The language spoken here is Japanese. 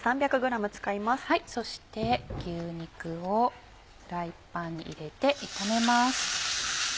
そして牛肉をフライパンに入れて炒めます。